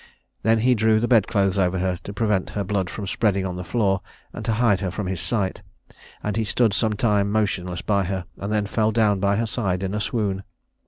He then drew the bed clothes over her to prevent her blood from spreading on the floor, and to hide her from his sight; and he stood some time motionless by her, and then fell down by her side in a swoon.